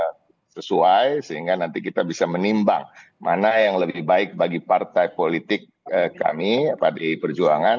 sudah sesuai sehingga nanti kita bisa menimbang mana yang lebih baik bagi partai politik kami pdi perjuangan